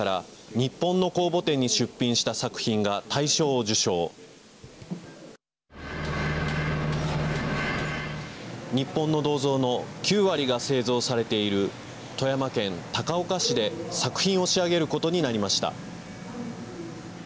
日本の銅像の９割が製造されている富山県高岡市で作品を仕上げることになりました。